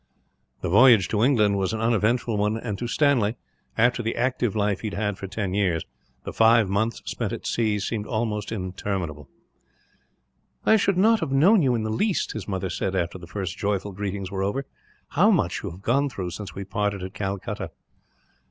The voyage to England was an uneventful one; and to Stanley, after the active life he had had for ten years, the five months spent at sea seemed almost interminable. "I should not have known you, in the least," his mother said, after the first joyful greetings were over. "How much you have gone through, since we parted at Calcutta."